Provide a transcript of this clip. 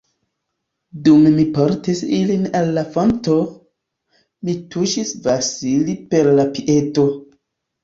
Dum mi portis ilin al la fonto, mi tuŝis Vasili per la piedo.